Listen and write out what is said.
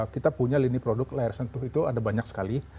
kita punya lini produk layar sentuh itu ada banyak sekali